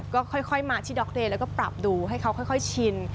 ก็ค่อยมาที่ด็อกเลแล้วก็ปรับดูให้เขาค่อยชิน